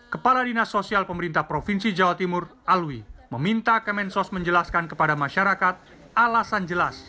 kepala dinas sosial pemerintah provinsi jawa timur alwi meminta kemensos menjelaskan kepada masyarakat alasan jelas